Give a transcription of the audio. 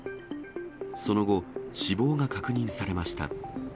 その後、死亡が確認されました。